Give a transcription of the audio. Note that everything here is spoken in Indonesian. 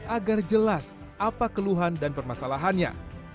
agar jelas apa keluhan dan permasalahannya